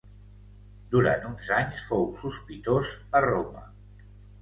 Durant uns anys fou sospitós a Roma.